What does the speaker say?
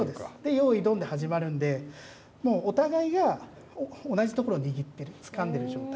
よいドンで始まるんでお互いが同じところを握ってるつかんでる状態。